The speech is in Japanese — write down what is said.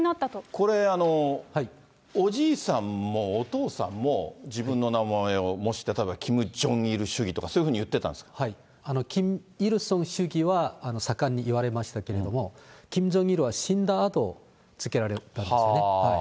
これ、おじいさんもお父さんも、自分の名前をもってキム・ジョンイル主義とか、そういうふうに言キム・イルソン主義は盛んに言われましたけれども、キム・ジョンイルは死んだあと、付けられましたね。